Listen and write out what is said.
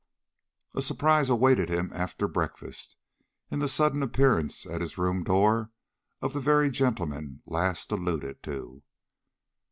A surprise awaited him after breakfast, in the sudden appearance at his room door of the very gentleman last alluded to.